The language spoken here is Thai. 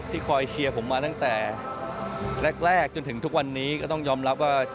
คอยเชียร์ผมมาตั้งแต่แรกจนถึงทุกวันนี้ก็ต้องยอมรับว่า